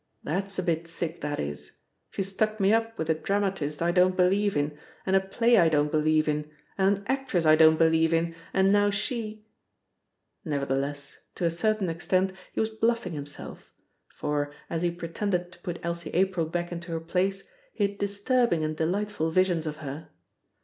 "That's a bit thick, that is! She's stuck me up with a dramatist I don't believe in, and a play I don't believe in, and an actress I don't believe in, and now she " Nevertheless, to a certain extent he was bluffing himself; for, as he pretended to put Elsie April back into her place, he had disturbing and delightful visions of her.